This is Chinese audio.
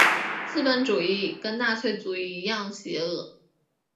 资本主义跟纳粹主义一样邪恶。